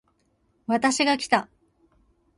私がきた